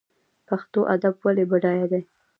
پښتو ادب ولې بډای دی؟